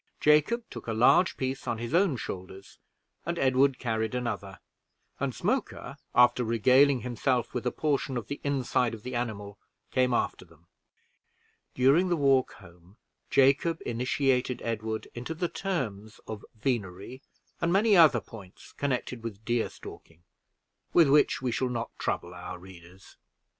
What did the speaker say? Jacob took a large piece on his own shoulders, and Edward carried another, and Smoker, after regaling himself with a portion of the inside of the animal, came after them. During the walk home, Jacob initiated Edward into the terms of venery and many other points connected with deer stalking, with which we shall not trouble our readers.